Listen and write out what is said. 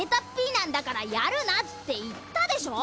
なんだからやるなっていったでしょ！